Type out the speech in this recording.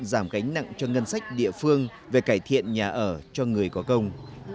giảm gánh nặng cho ngân sách địa phương về cải thiện nhà ở cho người có công